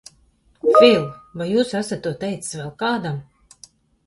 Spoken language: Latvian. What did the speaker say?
Fil, vai jūs to esat teicis vēl kādam?